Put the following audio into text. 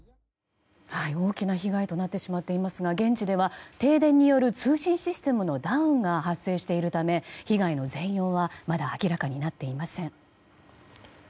大きな被害となってしまっていますが現地では停電による通信システムのダウンが発生しているため被害の全容はまだ明らかになっていません。